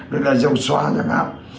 như là dầu xoá chẳng hạn